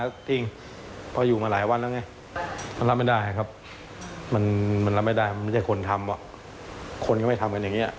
คนก็ไม่ทำกันอย่างนี้